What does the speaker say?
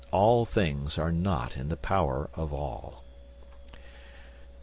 All things are not in the power of all.